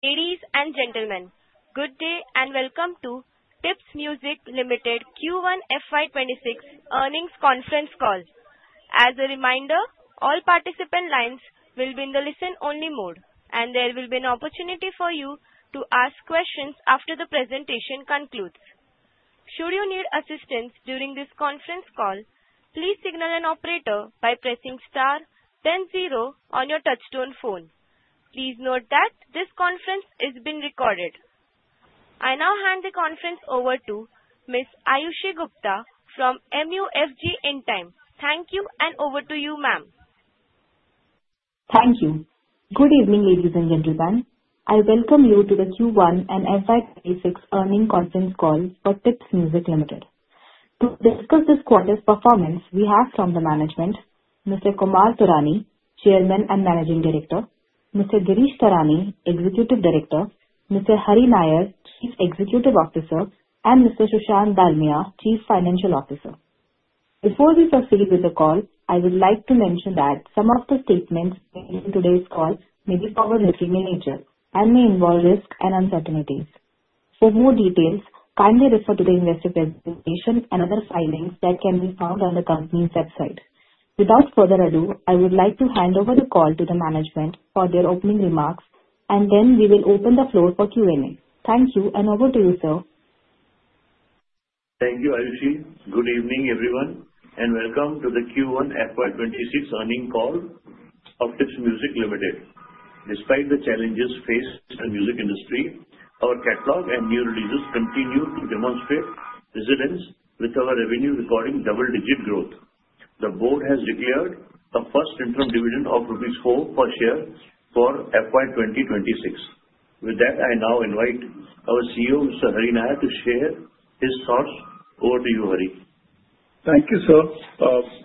Ladies and gentlemen, good day and welcome to Tips Music Limited Q1 FY 2026 earnings conference call. As a reminder, all participant lines will be in the listen-only mode, and there will be an opportunity for you to ask questions after the presentation concludes. Should you need assistance during this conference call, please signal an operator by pressing star then zero on your touch-tone phone. Please note that this conference is being recorded. I now hand the conference over to Ms. Ayushi Gupta from MUFG Intime. Thank you and over to you, ma'am. Thank you. Good evening, ladies and gentlemen. I welcome you to the Q1 and FY 2026 earnings conference call for Tips Music Limited. To discuss this quarter's performance, we have from the management: Mr. Kumar Taurani, Chairman and Managing Director; Mr. Girish Taurani, Executive Director; Mr. Hari Nair, Chief Executive Officer; and Mr. Sushant Dalmia, Chief Financial Officer. Before we proceed with the call, I would like to mention that some of the statements made in today's call may be forward-looking in nature and may involve risks and uncertainties. For more details, kindly refer to the investigation and other findings that can be found on the company's website. Without further ado, I would like to hand over the call to the management for their opening remarks, and then we will open the floor for Q&A. Thank you and over to you, sir. Thank you, Ayushi. Good evening, everyone, and welcome to the Q1 FY 2026 earnings call of Tips Music Limited. Despite the challenges faced in the music industry, our catalog and new releases continue to demonstrate resilience, with our revenue recording double-digit growth. The Board has declared the first interim dividend of rupees 4 per share for FY 2026. With that, I now invite our CEO, Mr. Hari Nair, to share his thoughts. Over to you, Hari. Thank you, sir.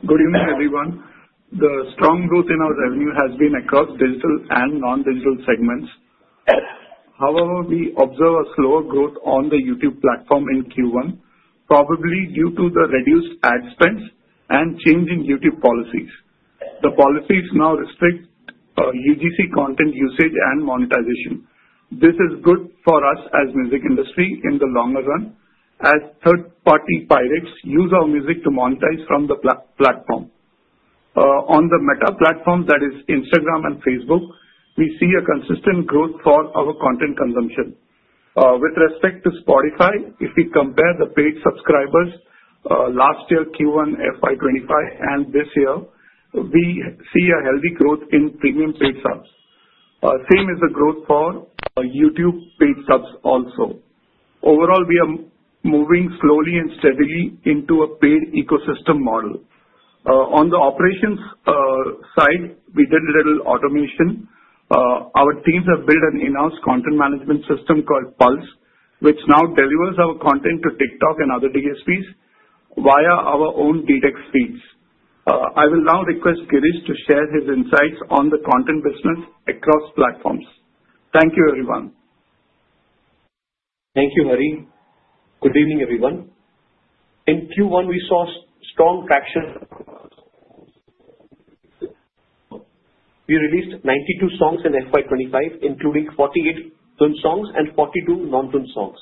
Good evening, everyone. The strong growth in our revenue has been across digital and non-digital segments. However, we observe a slower growth on the YouTube platform in Q1, probably due to the reduced ad spend and changing YouTube policies. The policies now restrict UGC content usage and monetization. This is good for us as a music industry in the longer run, as third-party pirates use our music to monetize from the platform. On the Meta platform, that is, Instagram and Facebook, we see a consistent growth for our content consumption. With respect to Spotify, if we compare the paid subscribers last year, Q1 FY 2025, and this year, we see a healthy growth in premium paid subs. Same is the growth for YouTube paid subs also. Overall, we are moving slowly and steadily into a paid ecosystem model. On the operations side, we did a little automation. Our teams have built an in-house content management system called Pulse, which now delivers our content to TikTok and other DSPs via our own DDEX feeds. I will now request Girish to share his insights on the content business across platforms. Thank you, everyone. Thank you, Hari. Good evening, everyone. In Q1, we saw a strong traction. We released 92 songs in FY 2025, including 48 film songs and 42 non-film songs.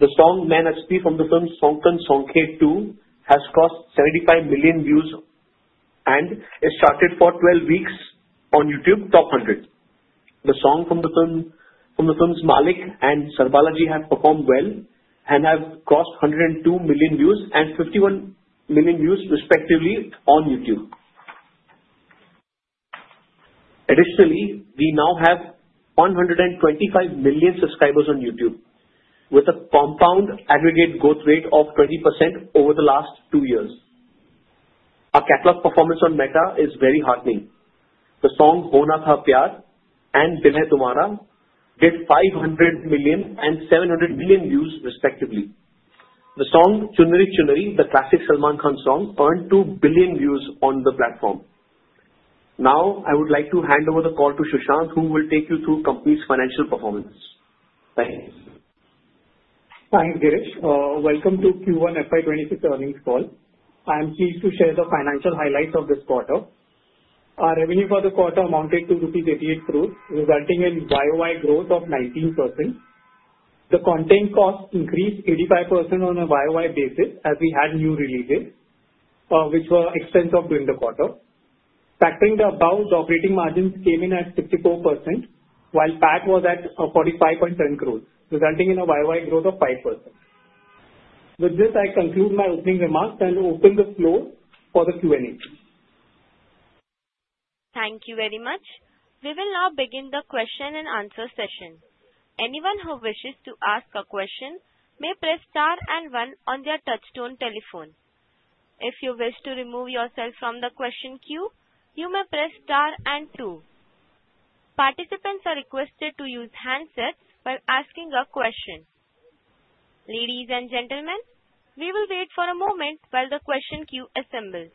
The song "Main Nachdi" from the film "Saunkan Saunkanay 2" has crossed 75 million views and has charted for 12 weeks on YouTube Top 100. The songs from the films "Maalik" and "Sarbala Ji" have performed well and have crossed 102 million views and 51 million views, respectively, on YouTube. Additionally, we now have 125 million subscribers on YouTube, with a compound aggregate growth rate of 20% over the last two years. Our catalog performance on Meta is very heartening. The songs "Hona Tha Pyar" and "Dil Hai Tumhaara" did 500 million and 700 million views, respectively. The song "Chunnari Chunnari," the classic Salman Khan song, earned 2 billion views on the platform. Now, I would like to hand over the call to Sushant, who will take you through the company's financial performance. Thanks, Girish. Welcome to Q1 FY 2026 earnings call. I am pleased to share the financial highlights of this quarter. Our revenue for the quarter amounted to rupees 88 crore, resulting in YoY growth of 19%. The content cost increased 85% on a YoY basis as we had new releases, which were expensive during the quarter. Factoring the above, the operating margins came in at 64%, while PAT was at 45.10 crore, resulting in a YoY growth of 5%. With this, I conclude my opening remarks and open the floor for the Q&A. Thank you very much. We will now begin the question-and-answer session. Anyone who wishes to ask a question may press star one on their touch-tone telephone. If you wish to remove yourself from the question queue, you may press star twqo. Participants are requested to use handsets when asking a question. Ladies and gentlemen, we will wait for a moment while the question queue assembles.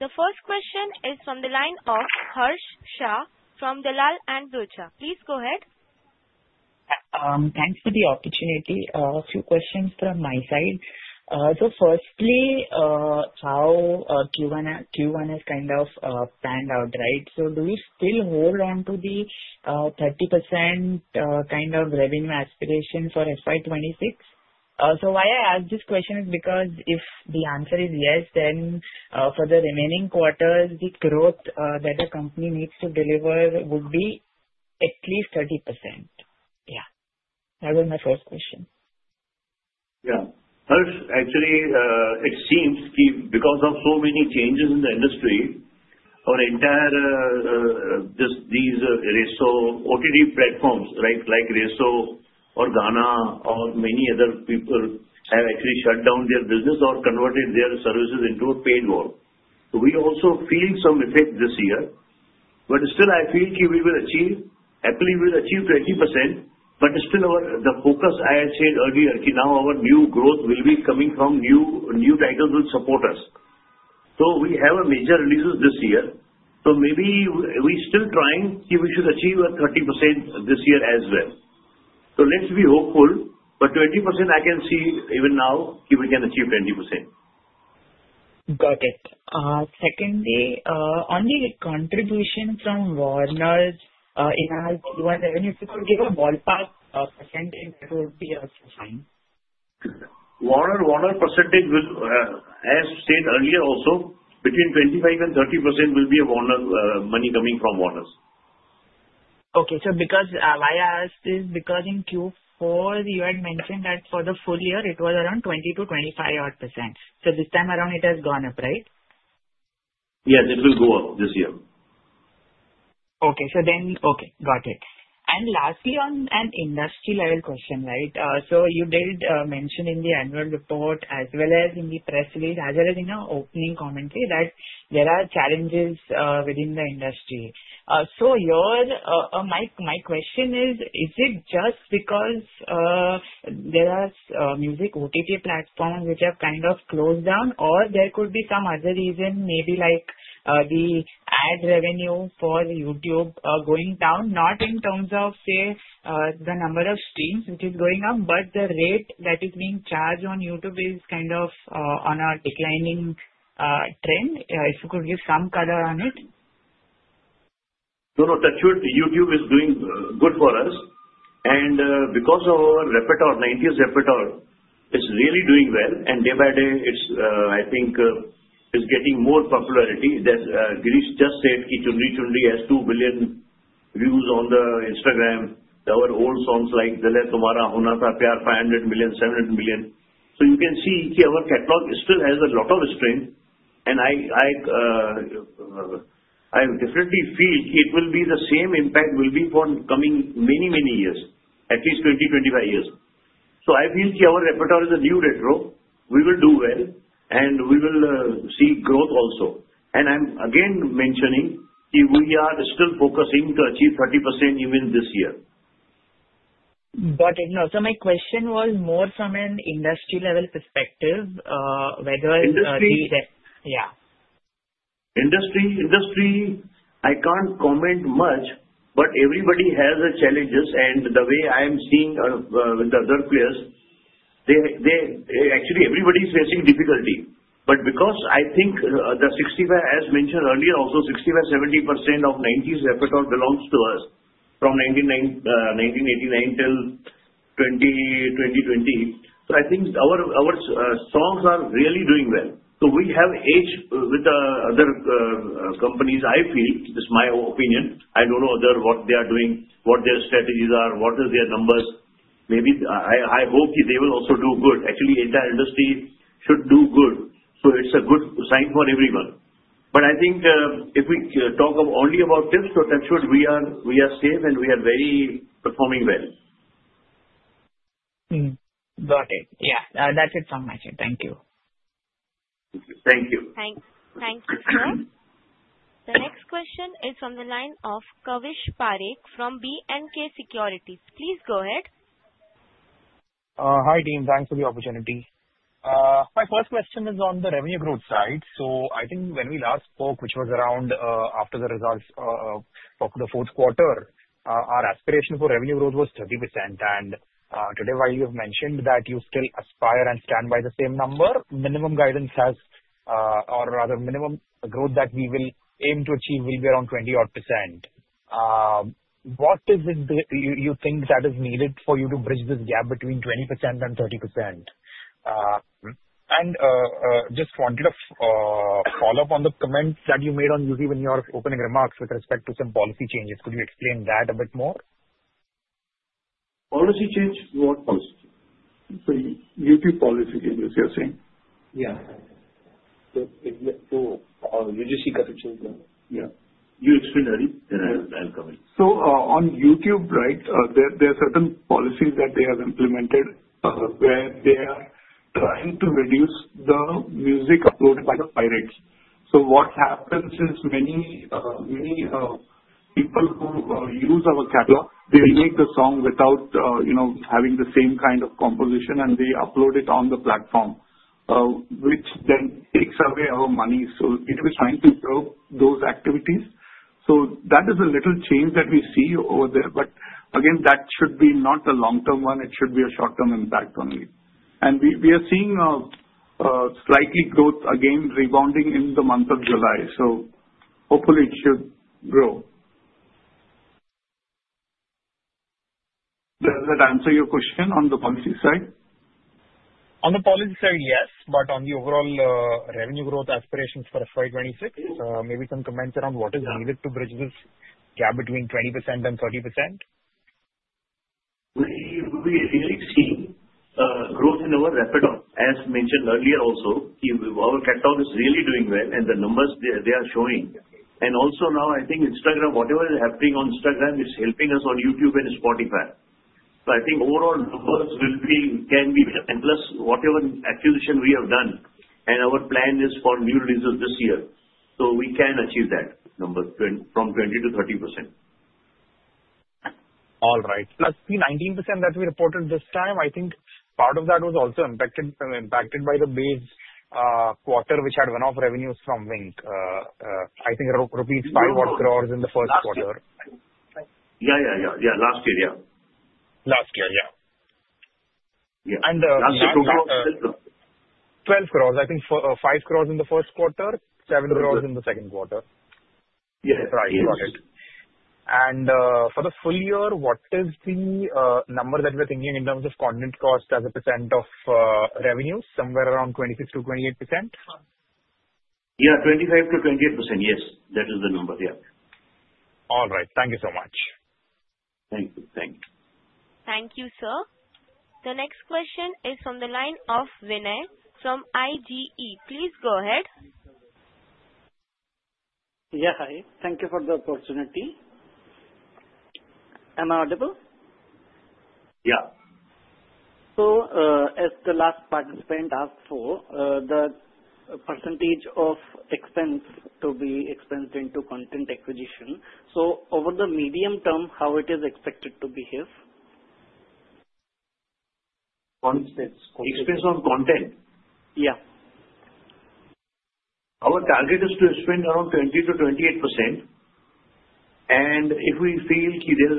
The first question is from the line of Harssh Shah from Dalal & Broacha. Please go ahead. Thanks for the opportunity. A few questions from my side. Firstly, how Q1 is kind of panned out, right? Do you still hold on to the 30% kind of revenue aspiration for FY 2026? I ask this question because if the answer is yes, then for the remaining quarters, the growth that the company needs to deliver would be at least 30%. That was my first question. Yeah. Actually, it seems because of so many changes in the industry, our entire, just these Resso OTT platforms, right, like Resso or Gaana or many other people have actually shut down their business or converted their services into a paid world. We also feel some effect this year. I feel we will achieve, happily, we will achieve 20%. The focus I had said earlier is now our new growth will be coming from new new titles will support us. We have a major release this year. Maybe we're still trying to achieve our 30% this year as well. Let's be hopeful. 20%, I can see even now we can achieve 20%. Got it. Secondly, on the contribution from Warner Music, you want to give a ballpark % that would be also fine? Warner percentage, as I said earlier, also between 25%-30% will be a Warner money coming from Warner. Okay. Because why I asked is because in Q4, you had mentioned that for the full year, it was around 20%-25%. This time around, it has gone up, right? Yes, it will go up this year. Okay, got it. Lastly, on an industry-level question, you did mention in the annual report as well as in the press release as well as in our opening commentary that there are challenges within the industry. My question is, is it just because there are music OTT platforms which have kind of closed down, or there could be some other reason, maybe like the ad revenue for YouTube going down, not in terms of, say, the number of streams which is going up, but the rate that is being charged on YouTube is kind of on a declining trend? If you could give some color on it. YouTube is doing good for us, and because of our repertoire, 90s repertoire, it's really doing well. Day by day, I think it's getting more popularity. Girish just said Chunnari Chunnari has 2 billion views on Instagram. Our old songs like "Dil Hai Tumhaara," "Hona Tha Pyar," 500 million, 700 million. You can see that our catalog still has a lot of strength. I definitely feel the same impact will be for the coming many, many years, at least 20, 25 years. I feel that our repertoire is a new retro. We will do well, and we will see growth also. I'm again mentioning that we are still focusing to achieve 30% even this year. Got it. No, my question was more from an industry-level perspective, whether the. Industry, I can't comment much, but everybody has challenges. The way I am seeing with the other players, actually, everybody is facing difficulty. I think the 65, as mentioned earlier, also 65%-70% of 90s repertoire belongs to us from 1989 till 2020. I think our songs are really doing well. We have aged with other companies, I feel. It's my opinion. I don't know what they are doing, what their strategies are, what are their numbers. Maybe I hope that they will also do good. Actually, the entire industry should do good. It's a good sign for everybody. I think if we talk only about Tips, we are safe and we are very performing well. Got it. Yeah, that's it from my side. Thank you. Thank you. Thank you, sir. The next question is from the line of Kavish Parekh from B&K Securities. Please go ahead. Hi, team. Thanks for the opportunity. My first question is on the revenue growth side. I think when we last spoke, which was around after the results of the fourth quarter, our aspiration for revenue growth was 30%. Today, while you have mentioned that you still aspire and stand by the same number, minimum guidance has, or rather, minimum growth that we will aim to achieve will be around 20% odd. What is it you think that is needed for you to bridge this gap between 20%-30%? I just wanted to follow up on the comments that you made on YouTube when you were opening remarks with respect to some policy changes. Could you explain that a bit more? Policy change, what policy change? YouTube policy changes, you're saying? Yeah. UGC, you explain that, and I'll comment. On YouTube, right, there are certain policies that they have implemented where they are trying to reduce the music upload by the pirates. What happens is many, many people who use our catalog make the song without, you know, having the same kind of composition, and they upload it on the platform, which then takes away our money. It will try to curb those activities. That is a little change that we see over there. That should not be a long-term one. It should be a short-term impact only. We are seeing a slight growth again rebounding in the month of July. Hopefully, it should grow. Does that answer your question on the policy side? On the policy side, yes. On the overall revenue growth aspirations for FY 2026, maybe you can comment around what is needed to bridge this gap between 20%-30%? We are seeing growth in our repertoire. As mentioned earlier, also, our repertoire is really doing well, and the numbers they are showing. Also, now, I think whatever is happening on Instagram is helping us on YouTube and Spotify. I think overall numbers can be better. Plus, whatever acquisition we have done and our plan is for new releases this year, we can achieve that number from 20-30%. All right. Plus, the 19% that we reported this time, I think part of that was also impacted by the base quarter, which had run-off revenues from, I think, rupees 5.0 crore in the first quarter. Yeah, last year, yeah. Last year, yeah. Yeah. The 12 crores is 5 crores in the first quarter, 7 crores in the second quarter. Yes, right. Yeah. Got it. For the full year, what is the number that we're thinking in terms of content cost as a percentage of revenue, somewhere around 26%-28%? Yeah, 25%-28%. Yes, that is the number, yeah. All right, thank you so much. Thank you. Thanks. Thank you, sir. The next question is from the line of Vinay from IGE. Please go ahead. Yeah, hi. Thank you for the opportunity. Am I audible? Yeah. As the last participant asked for, the percentage of expense to be expensed into content acquisition, over the medium term, how is it expected to behave? Once it's on content? Yeah. Our target is to spend around 25%-28%. And if we feel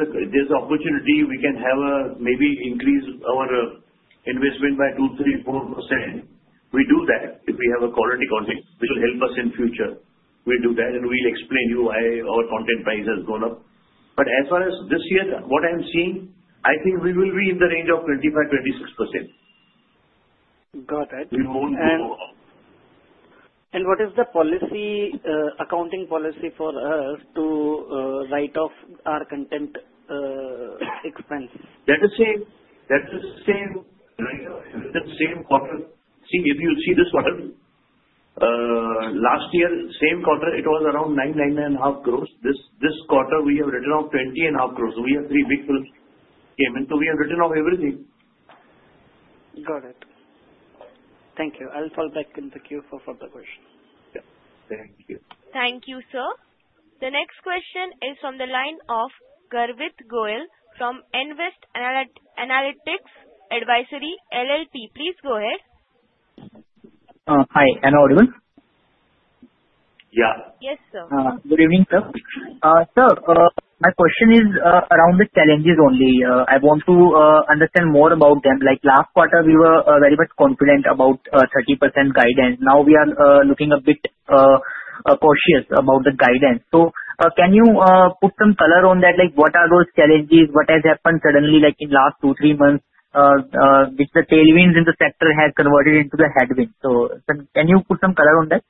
there's opportunity we can have maybe increase our investment by 2%, 3%, 4%, we do that if we have a quality content, which will help us in future. We do that, and we'll explain to you why our content price has gone up. But as far as this year, what I'm seeing, I think we will be in the range of 25%-26%. Got it. What is the accounting policy for us to write off our content expense? That is the same. That is the same quarter. If you see this quarter, last year, same quarter, it was around 9 crore, 9 crore, 9.5 crore. This quarter, we have written off 20.5 crore. We have three big came in. We have written off everything. Got it. Thank you. I'll fall back in the queue for further questions. Thank you. Thank you, sir. The next question is from the line of Garvit Goyal from nVest Analytics Advisory LLC. Please go ahead. Hi, am I audible? Yeah. Yes, sir. Good evening, sir. Sir, my question is around the challenges only. I want to understand more about them. Like last quarter, we were very much confident about 30% guidance. Now we are looking a bit cautious about the guidance. Can you put some color on that? What are those challenges? What has happened suddenly like in the last two, three months? With the tailwinds in the sector, has it converted into the headwind? Can you put some color on that?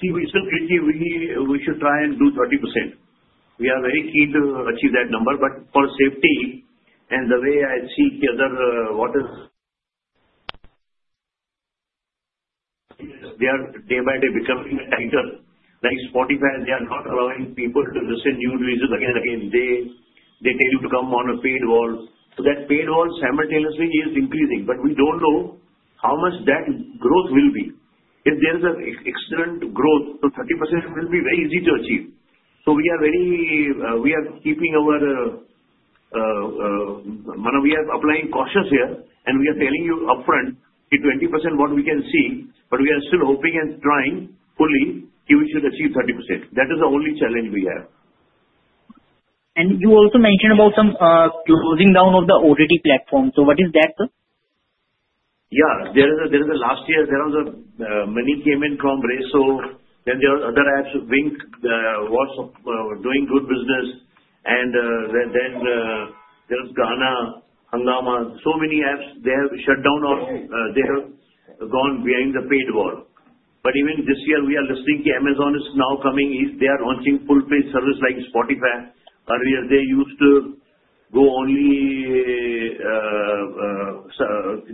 See, we still think we should try and do 30%. We are very keen to achieve that number. For safety and the way I see the other, what is they are day by day becoming tighter. Like Spotify, they are not allowing people to listen to your releases again and again. They tell you to come on a paywall. That paywall simultaneously is increasing. We don't know how much that growth will be. If there is an excellent growth, 30% will be very easy to achieve. We are keeping our, we are applying caution here. We are telling you upfront, the 20% what we can see, but we are still hoping and trying fully to achieve 30%. That is the only challenge we have. You also mentioned about some closing down of the OTT platform. What is that, sir? Yeah. Last year, there were many that came in from Resso. Then there are other apps, Wynk was doing good business. There is Gaana, Hungama, so many apps. They have shut down or they have gone behind the paywall. This year, we are listening to Amazon is now coming. They are launching full-page service like Spotify. Earlier, they used to go only with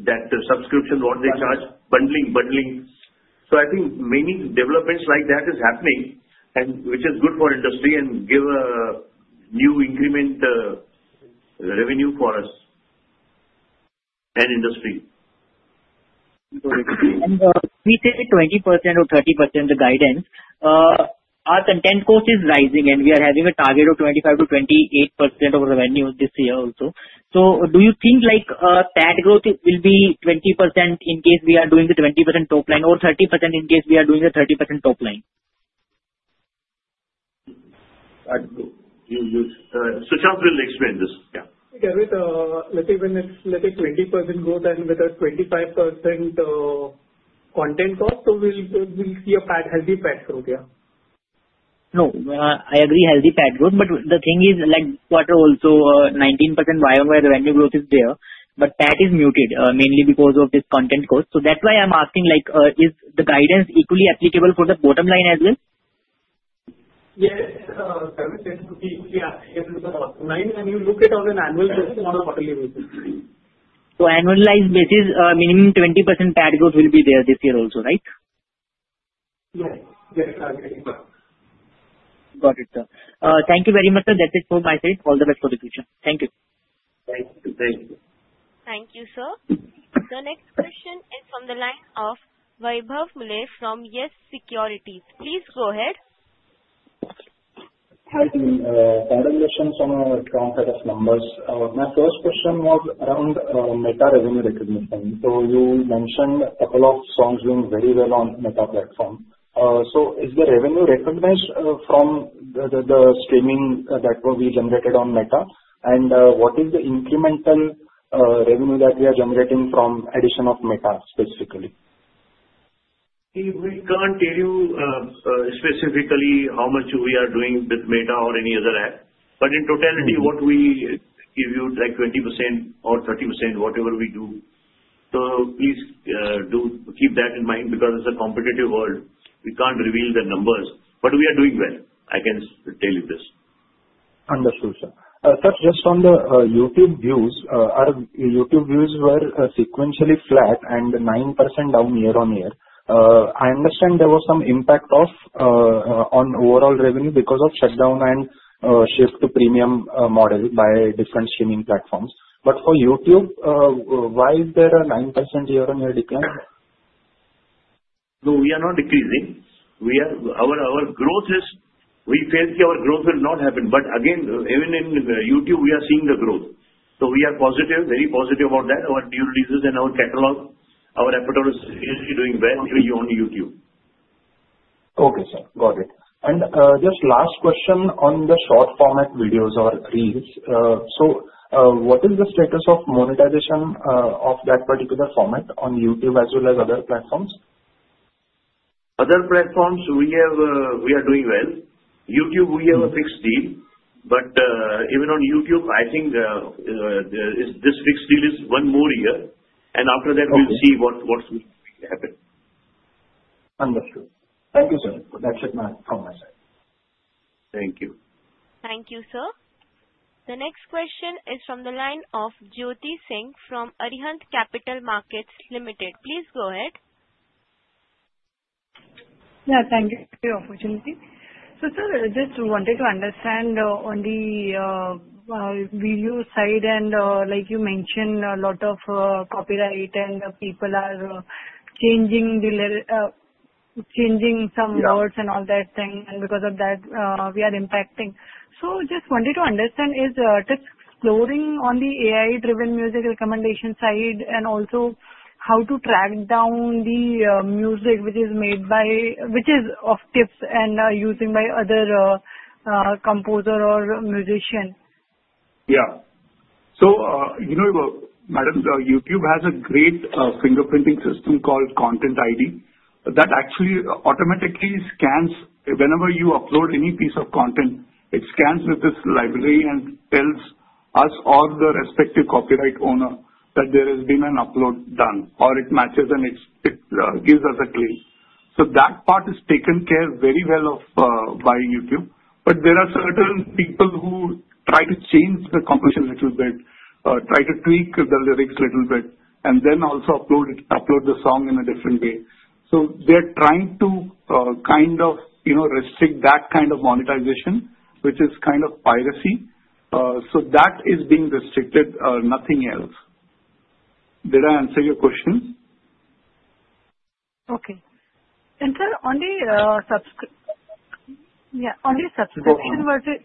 that subscription, what they charge, bundling, bundling. I think many developments like that are happening, which is good for the industry and gives a new increment revenue for us and the industry. We say 20% or 30% of the guidance. Our content cost is rising, and we are having a target of 25%-28% of revenue this year also. Do you think that growth will be 20% in case we are doing the 20% top line or 30% in case we are doing the 30% top line? I don't know. Sushant, will you explain this? Yeah. I think when it's 20% growth, that will be the 25% content cost. We'll see a healthy path growth, yeah. No, I agree, healthy path growth. The thing is, like quarter also, 19% YoY revenue growth is there. That is muted, mainly because of this content cost. That's why I'm asking, like is the guidance equally applicable for the bottom line as well? Yeah, if it's the bottom line and you look at it on an annual basis, not a quarterly basis. an annual line basis, meaning 20% PAT growth will be there this year also, right? Yeah. Got it. Thank you very much, sir. That's it for my side. All the best for the future. Thank you. Thank you. Thank you. Thank you, sir. The next question is from the line of Vaibhav Mule from YES Securities. Please go ahead. Hi, team. Some regression from our strong set of numbers. My first question was around Meta revenue recognition. You mentioned a couple of songs doing very well on the Meta platform. Is the revenue recognized from the streaming that will be generated on Meta? What is the incremental revenue that we are generating from the addition of Meta specifically? We can't tell you specifically how much we are doing with Meta or any other app. In totality, what we give you is like 20% or 30%, whatever we do. Please do keep that in mind because it's a competitive world. We can't reveal the numbers. We are doing well. I can tell you this. Understood, sir. Sir, just on the YouTube views, our YouTube views were sequentially flat and 9% down year-on-year. I understand there was some impact on overall revenue because of shutdown and shift to premium model by different streaming platforms. For YouTube, why is there a 9% year-on-year decline? No, we are not decreasing. Our growth has not happened. Again, even in YouTube, we are seeing the growth. We are positive, very positive about that. Our TV releases and our catalog, our repertoire is doing well on YouTube. Okay, sir. Got it. Just last question on the short format videos or reels. What is the status of monetization of that particular format on YouTube as well as other platforms? Other platforms, we are doing well. YouTube, we have a fixed deal. This fixed deal is one more year. After that, we'll see what happens. Understood. Thank you, sir. That's it from my side. Thank you. Thank you, sir. The next question is from the line of Jyoti Singh from Arihant Capital Markets Limited. Please go ahead. Thank you for the opportunity. Sir, just wanted to understand on the video side. Like you mentioned, a lot of copyright and people are changing some laws and all that thing. Because of that, we are impacting. Just wanted to understand, is Tips exploring on the AI-driven music recommendation side and also how to track down the music which is made by, which is of Tips and using by other composers or musicians? Yeah. You know, Madam, YouTube has a great fingerprinting system called Content ID that actually automatically scans whenever you upload any piece of content. It scans with this library and tells us or the respective copyright owner that there has been an upload done, or it matches and it gives us a clue. That part is taken care of very well by YouTube. There are certain people who try to change the composition a little bit, try to tweak the lyrics a little bit, and then also upload the song in a different way. They are trying to kind of restrict that kind of monetization, which is kind of piracy. That is being restricted, nothing else. Did I answer your questions? Okay. Sir, on the subscription versus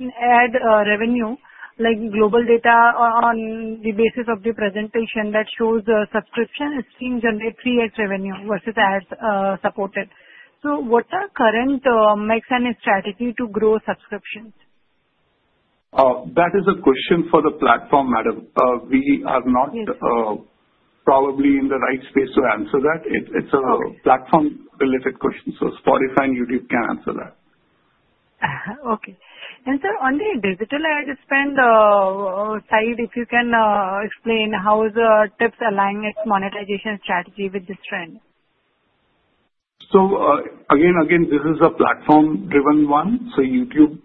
ad revenue, like global data on the basis of the presentation that shows a subscription, it's seen generate free ad revenue versus ad supported. What's our current mess and strategy to grow subscriptions? That is a question for the platform, Madam. We are not probably in the right space to answer that. It's a platform-related question. Spotify and YouTube can answer that. Okay. Sir, on the digital ad spends side, if you can explain how is Tips aligned its monetization strategy with this trend? This is a platform-driven one. YouTube,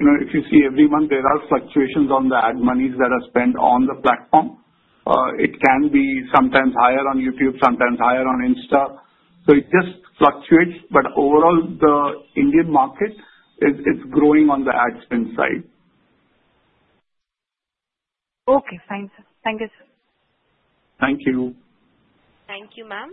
you know, if you see every month, there are fluctuations on the ad monies that are spent on the platform. It can be sometimes higher on YouTube, sometimes higher on Insta. It just fluctuates. Overall, the Indian market is growing on the ad spend side. Okay, thanks, sir. Thank you, sir. Thank you. Thank you, ma'am.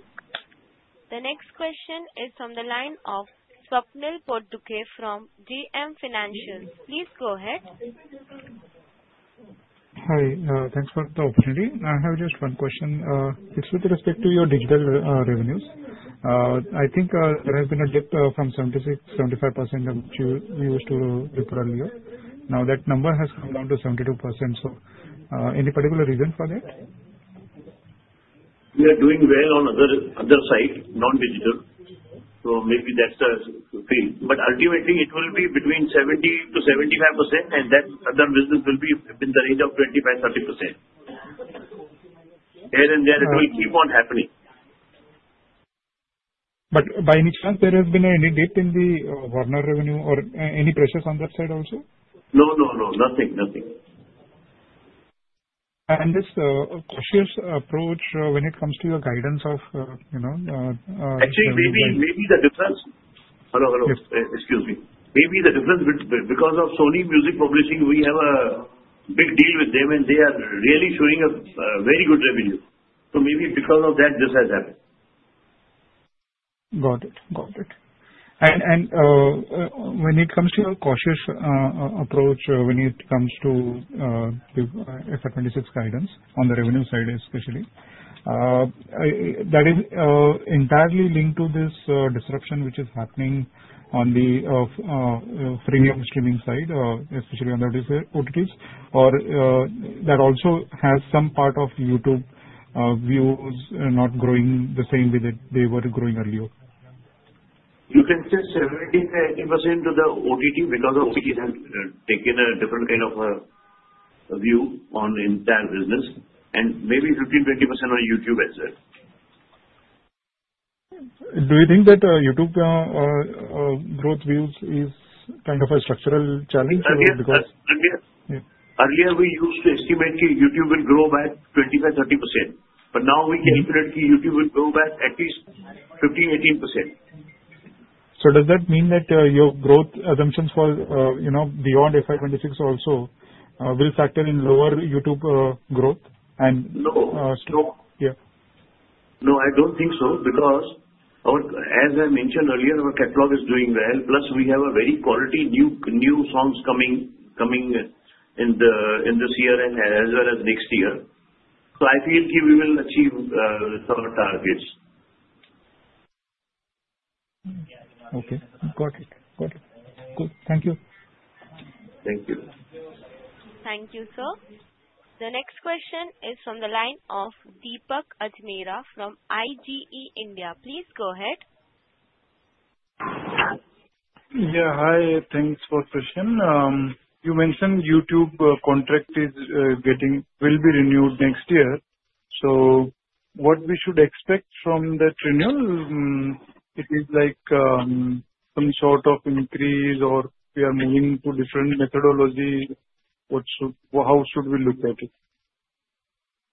The next question is from the line of Swapnil Potdukhe from JM Financial. Please go ahead. Hi. Thanks for the opportunity. I have just one question. It's with respect to your digital revenues. I think there has been a dip from 76% to 75%, which we used to refer to earlier. That number has come down to 72%. Any particular reason for that? We are doing well on the other side, non-digital. Maybe that's the thing. Ultimately, it will be between 70%-75%, and then other businesses will be in the range of 25%-30%. Here and there, it will keep on happening. Has there been any dip in the Warner Music revenue or any pressures on that side also? Nothing, nothing. This cautious approach when it comes to the guidance of. Maybe the difference is because of Sony Music Publishing. We have a big deal with them, and they are really showing us very good revenue. Maybe because of that, this has happened. Got it. Got it. When it comes to a cautious approach, when it comes to FY 2026 guidance on the revenue side especially, that is entirely linked to this disruption which is happening on the freemium streaming side, especially on the music OTT platforms, or that also has some part of YouTube views not growing the same way that they were growing earlier., You can say 70% to the music OTT platforms because the OTTs have taken a different kind of view on the entire business. Maybe 15%-20% on YouTube as well. Do you think that YouTube growth views is kind of a structural challenge because? Yeah. Earlier, we used to estimate that YouTube will grow back 25%-30%. Now we can estimate that YouTube will grow back at least 15%-18%. Does that mean that your growth assumptions for, you know, beyond FY 2026 also will factor in lower YouTube growth and slow? No, I don't think so because, as I mentioned earlier, our catalog is doing well. Plus, we have very quality new songs coming in this year as well as next year. I feel we will achieve some of the targets. Okay. Got it. Got it. Cool. Thank you. Thank you. Thank you, sir. The next question is from the line of Deepak Ajimera from IGE India. Please go ahead. Yeah. Hi. Thanks for the question. You mentioned YouTube contracts will be renewed next year. What should we expect from that renewal? Is it like some sort of increase, or are we moving to different methodologies? How should we look at it?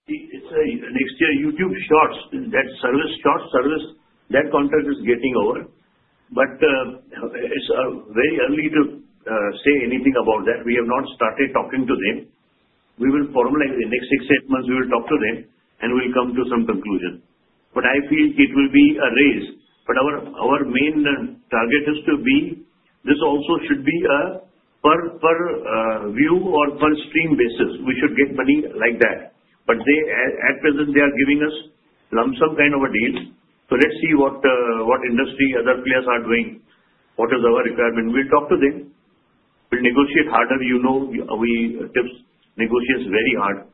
Next year, YouTube Shorts, that service, that contract is getting over. It is very early to say anything about that. We have not started talking to them. We will formalize in the next six to eight months. We will talk to them and we'll come to some conclusion. I feel it will be a raise. Our main target is to be this also should be a per view or per stream basis. We should get money like that. At present, they are giving us a lump sum kind of a deal. Let's see what other industry players are doing, what is our requirement. We'll talk to them. We'll negotiate harder. You know we negotiate very hard.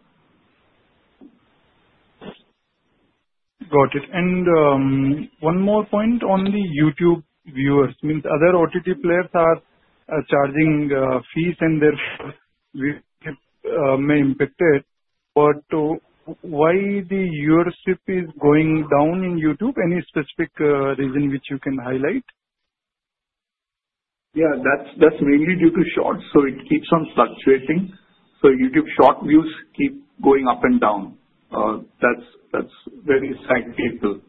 Got it. One more point on the YouTube viewers. I mean, other music OTT platforms are charging fees and their views may impact it. Why is the viewership going down in YouTube? Any specific reason which you can highlight? Yeah, that's mainly due to Shorts. It keeps on fluctuating. YouTube Shorts views keep going up and down. That's very sad too.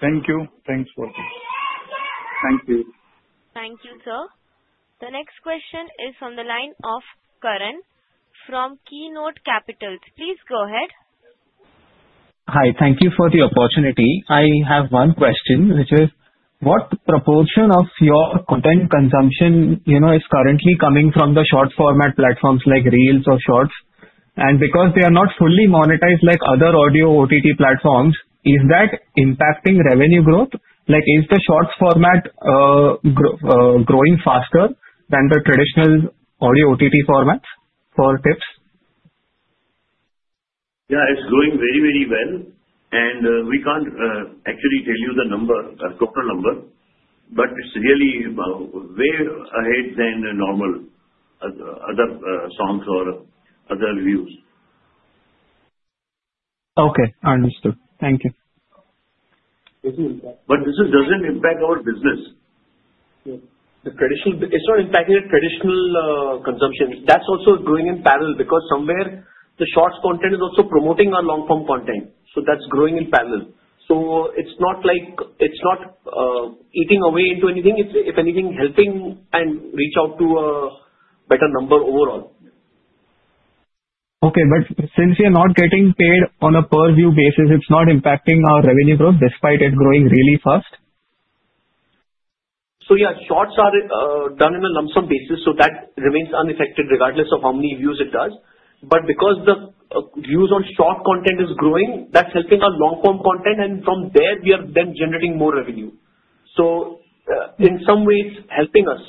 Thank you. Thanks for the. Thank you. Thank you, sir. The next question is from the line of Karan from Keynote Capitals. Please go ahead. Hi. Thank you for the opportunity. I have one question, which is, what proportion of your content consumption is currently coming from the shorts format platforms like Reels or Shorts? Because they are not fully monetized like other audio music OTT platforms, is that impacting revenue growth? Is the shorts format growing faster than the traditional audio music OTT formats for Tips? Yeah, it's growing very, very well. We can't actually tell you the number, the total number, but it's really way ahead than normal other songs or other views. Okay. Understood. Thank you. This doesn't impact our business. It's not impacting the traditional consumptions. That's also going in parallel because somewhere the shorts content is also promoting our long-form content. That's growing in parallel. It's not like it's eating away into anything. If anything, it's helping and reach out to a better number overall. Okay. Since we are not getting paid on a per view basis, it's not impacting our revenue growth despite it growing really fast? Shorts are done on a lump sum basis, so that remains unaffected regardless of how many views it does. Because the views on short content are growing, that's helping our long-form content, and from there, we are then generating more revenue. In some ways, it's helping us.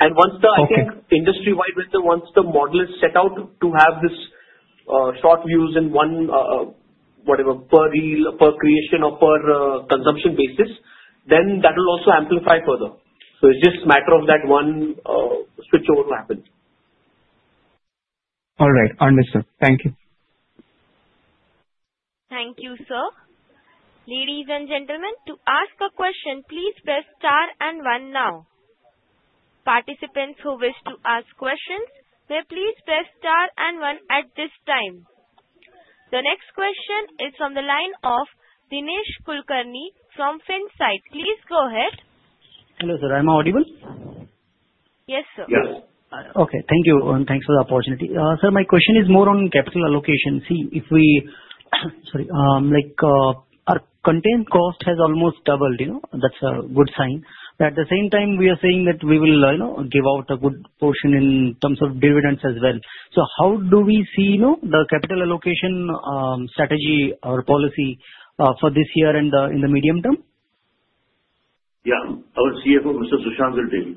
Once the industry-wide model is set out to have this short views in one, whatever, per reel, per creation, or per consumption basis, that will also amplify further. It's just a matter of that one switchover happening. All right. Understood. Thank you. Thank you, sir. Ladies and gentlemen, to ask a question, please press star and one now. Participants who wish to ask questions may please press star and one at this time. The next question is from the line of Dinesh Kulkarni from Finsight. Please go ahead. Hello, sir. Am I audible? Yes, sir. Yes. Okay. Thank you. Thanks for the opportunity. Sir, my question is more on capital allocation. Our content cost has almost doubled. You know that's a good sign. At the same time, we are saying that we will give out a good portion in terms of dividends as well. How do we see the capital allocation strategy or policy for this year and in the medium term? Yeah. Our CFO, Mr. Sushant Dalmia, will tell you.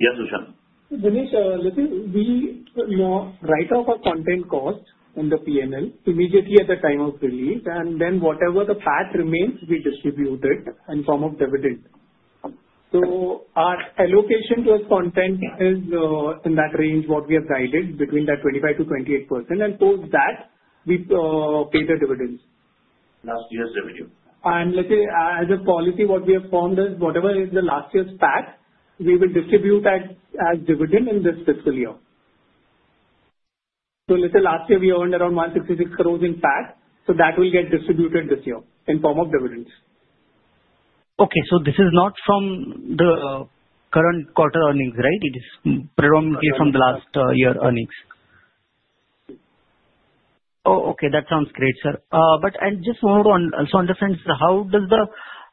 Yeah, Sushant. Dinesh, listen. We write out our content cost in the P&L immediately at the time of release. Whatever the path remains, we distribute it in the form of dividends. Our allocation to our content is in that range, what we have guided, between that 25%-28%. Post that, we pay the dividends. Last year's revenue. As a policy, what we have formed is whatever is the last year's PAT, we will distribute as dividend in this fiscal year. Last year we earned around 166 crore in PAT. That will get distributed this year in the form of dividends. Okay. This is not from the current quarter earnings, right? It is predominantly from the last year earnings. Oh, okay. That sounds great, sir. I just want to also understand, sir, how does the,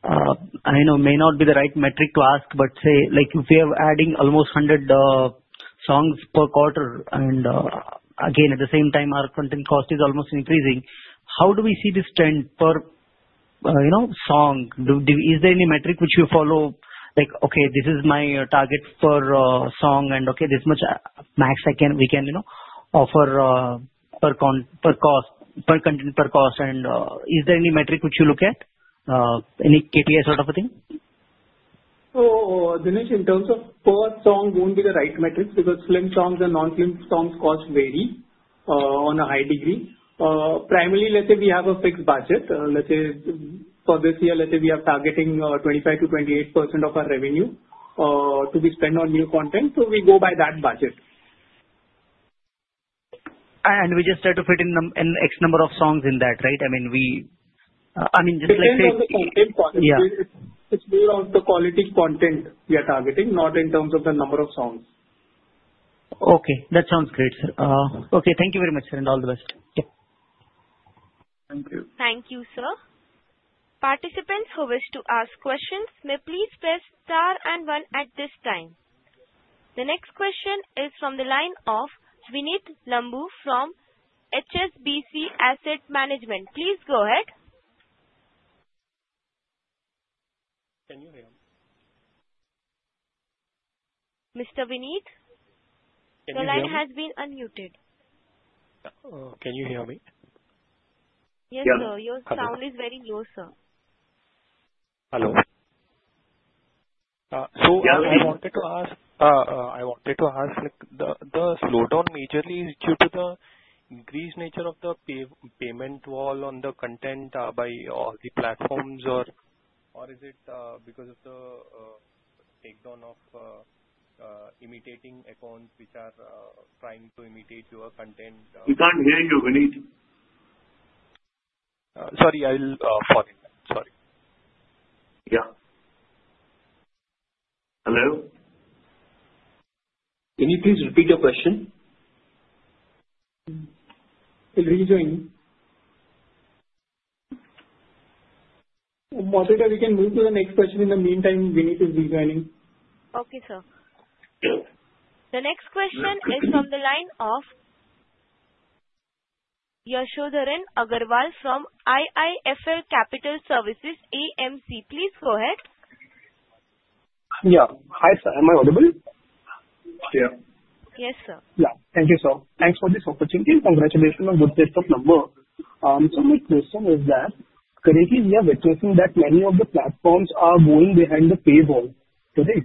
I know it may not be the right metric to ask, but say if we are adding almost 100 songs per quarter, and at the same time, our content cost is almost increasing, how do we see this trend per song? Is there any metric which you follow? Like, okay, this is my target for a song, and this much max I can, we can offer per cost, per content, per cost. Is there any metric which you look at? Any KPI sort of a thing? In terms of per song, you won't get the right metrics because slim songs and non-slim songs cost vary on a high degree. Primarily, let's say we have a fixed budget. Let's say for this year, we are targeting 25%-28% of our revenue to be spent on new content. We go by that budget. We just try to fit in an X number of songs in that, right? I mean, just like that. It's based on the content quality. It's based on the quality content we are targeting, not in terms of the number of songs. Okay, that sounds great, sir. Thank you very much, sir, and all the best. to Thank you, sir. Participants who wish to ask questions may please press star and one at this time. The next question is from the line of Vineet Lambu from HSBC Asset Management. Please go ahead. Can you hear me? Mr. Vineet, your line has been unmuted. Can you hear me? Yes, sir. Your sound is very low, sir. I wanted to ask, like the slowdown majorly is due to the increased nature of the payment wall on the content by all the platforms, or is it because of the takedown of imitating accounts which are trying to imitate your content? We can't hear you, Vineet. Sorry, I'll forward. Can you please repeat your question? Can you join me? I'm not sure that we can move to the next question. In the meantime, Vineet is joining. Okay, sir. The next question is from the line of Yashowardhan Agarwal from IIFL Capital Services AMC. Please go ahead. Yeah. Hi, sir. Am I audible? Yes, sir. Thank you, sir. Thanks for this opportunity. Congratulations on the good set of numbers. My question is that currently, we are witnessing that many of the platforms are going behind the paywall today.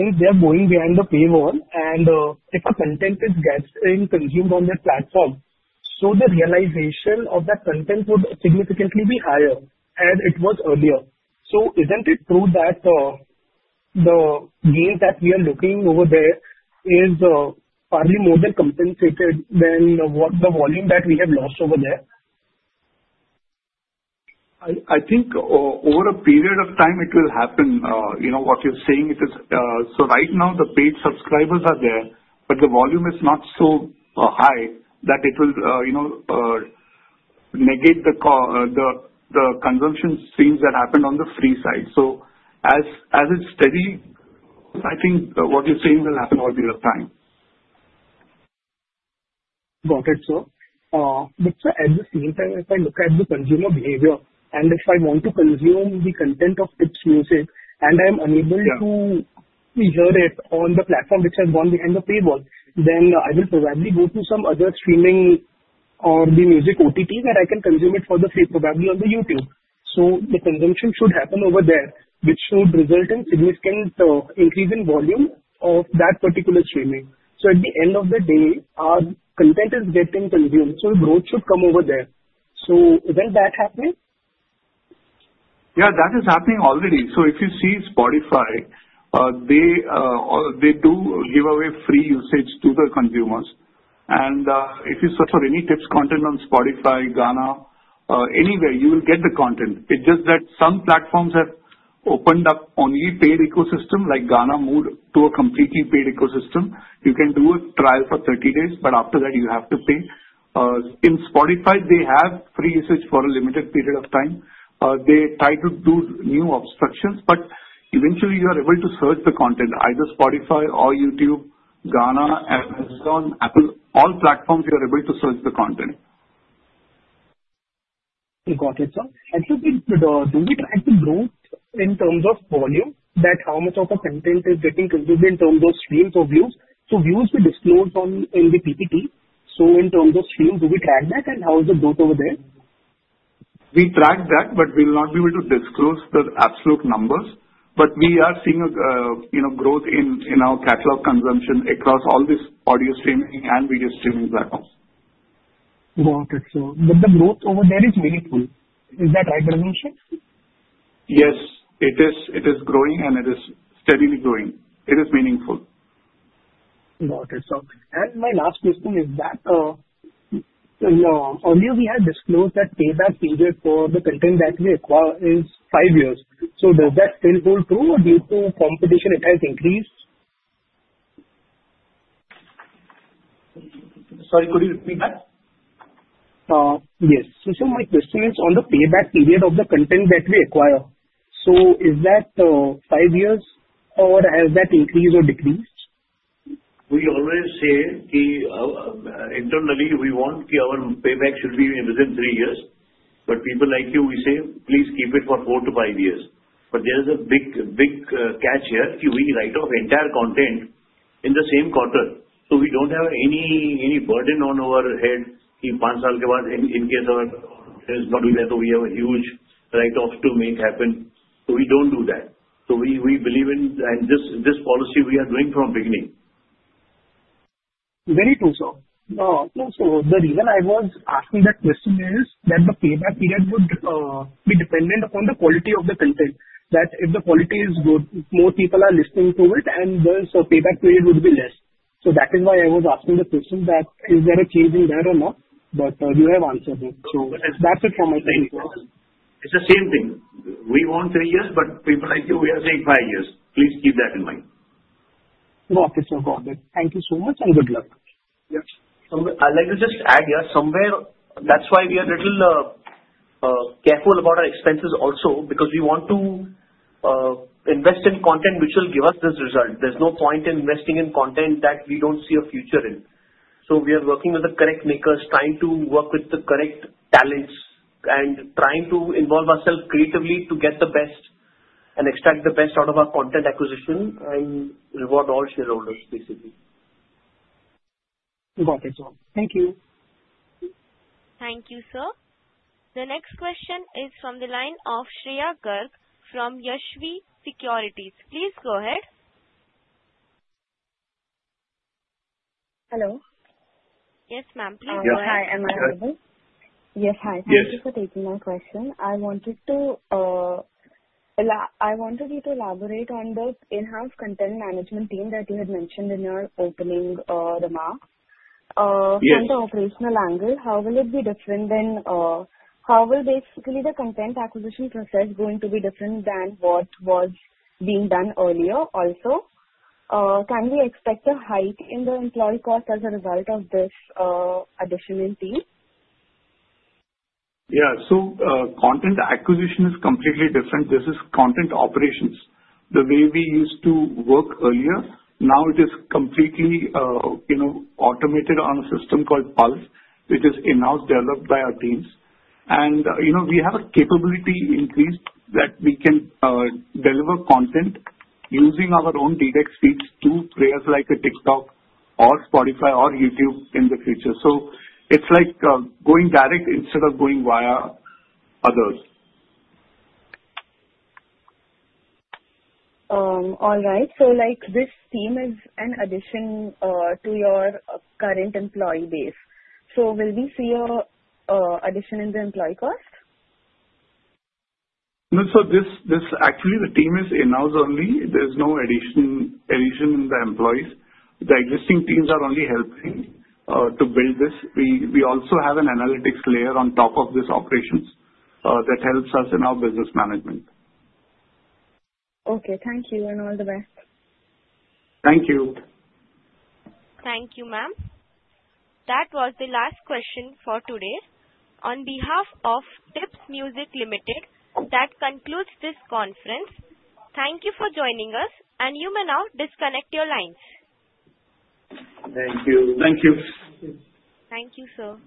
Since they are going behind the paywall and if the content is getting consumed on their platform, the realization of that content would significantly be higher as it was earlier. Isn't it true that the gain that we are looking over there is probably more than compensated than what the volume that we have lost over there? I think over a period of time, it will happen. You know what you're saying? Right now, the paid subscribers are there, but the volume is not so high that it will negate the consumption streams that happen on the free side. As it's steady, I think what you're saying will happen over a period of time. Got it, sir. At this stage, if I look at the consumer behavior and if I want to consume the content of Tips Music and I'm unable to hear it on the platform which has gone behind the paywall, I will probably go to some other streaming or the music OTT that I can consume it for free, probably on YouTube. The consumption should happen over there, which should result in a significant increase in volume of that particular streaming. At the end of the day, our content is getting consumed. Growth should come over there. Isn't that happening? Yeah, that is happening already. If you see Spotify, they do give away free usage to the consumers. If you search for any Tips content on Spotify, Gaana, anywhere, you will get the content. It's just that some platforms have opened up only paid ecosystems, like Gaana moved to a completely paid ecosystem. You can do a trial for 30 days, but after that, you have to pay. In Spotify, they have free usage for a limited period of time. They try to do new obstructions, but eventually, you are able to search the content. Either Spotify or YouTube, Gaana, Amazon, Apple, all platforms, you are able to search the content. Got it, sir. Do we track the growth in terms of volume, that is, how much of the content is getting consumed in terms of streams or views? Views will be disclosed on LVPPT. In terms of streams, do we track that, and how is the growth over there? We track that, but we will not be able to disclose the absolute numbers. We are seeing a growth in our catalog consumption across all these audio streaming and video streaming platforms. Got it, sir. The growth over there is meaningful. Is that right, Girish? Yes, it is. It is growing, and it is steadily growing. It is meaningful. Got it, sir. My last question is that earlier, we had disclosed that payback period for the content that we acquire is five years. Does that still hold true, or do you think competition has increased? Sorry, could you repeat that? Yes, my question is on the payback period of the content that we acquire. Is that five years, or has that increased or decreased? We always say internally, we want our payback should be within three years. For people like you, we say, please keep it for four to five years. There is a big, big catch here. We write off entire content in the same quarter, so we don't have any burden on our head if five years later, we have a huge write-off to make happen. We don't do that. We believe in this policy we are doing from the beginning. Very cool, sir. The reason I was asking that question is that the payback period would be dependent upon the quality of the content. If the quality is good, more people are listening to it, and thus the payback period would be less. That is why I was asking the question, is there a change in that or not? You have answered it. That's it from my point of view. It's the same thing. We want three years, but people like you, we are saying five years. Please keep that in mind. Got it, sir. Got it. Thank you so much, and good luck. Yes, I'd like to just add, yeah, that's why we are a little careful about our expenses also because we want to invest in content which will give us this result. There's no point in investing in content that we don't see a future in. We are working with the correct makers, trying to work with the correct talents, and trying to involve ourselves creatively to get the best and extract the best out of our content acquisition and reward all shareholders, basically. Got it, sir. Thank you. Thank you, sir. The next question is from the line of Shreya Garg from Yashvi Securities. Please go ahead. Hello. Yes, ma'am. Please go ahead. Yes, hi. Am I audible? Yes, hi. Thank you for taking my question. I wanted you to elaborate on those in-house content management teams that you had mentioned in your opening remarks. From the operational angle, how will it be different than, how will basically the content acquisition process going to be different than what was being done earlier? Also, can we expect a hike in the employee cost as a result of this addition in team? Yeah, content acquisition is completely different. This is content operations. The way we used to work earlier, now it is completely automated on a system called Pulse, which is in-house developed by our teams. We have a capability increased that we can deliver content using our own direct feeds to players like TikTok or Spotify or YouTube in the future. It's like going direct instead of going via others. All right. This team is an addition to your current employee base. Will we see an addition in the employee cost? No, this actually, the team is in-house only. There's no addition in the employees. The existing teams are only helping to build this. We also have an analytics layer on top of this operations that helps us in our business management. Okay, thank you and all the best. Thank you. Thank you, ma'am. That was the last question for today. On behalf of Tips Music Limited, that concludes this conference. Thank you for joining us, and you may now disconnect your lines. Thank you. Thank you. Thank you. Thank you, sir.